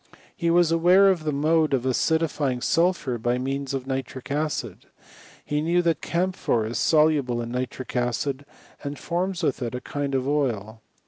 He was aware of the mode of acidifying sulphur by means of nitric acid. He knew that camphor is so luble in nitric acid, and forms* with it a kind of oil.